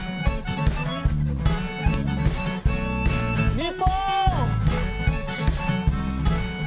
日本！